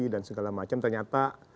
dan segala macam ternyata